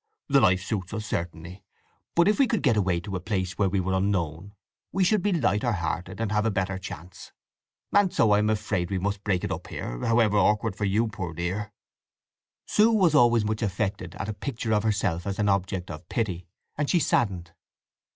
The life suits us, certainly; but if we could get away to a place where we are unknown, we should be lighter hearted, and have a better chance. And so I am afraid we must break it up here, however awkward for you, poor dear!" Sue was always much affected at a picture of herself as an object of pity, and she saddened.